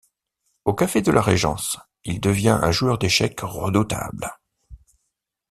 Au Café de la Régence, il devient un joueur d'échecs redoutable.